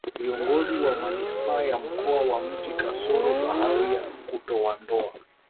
viongozi wa manispaa ya mkoa wa mji kasoro bahari kutowaondoa